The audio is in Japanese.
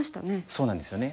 そうなんですよね。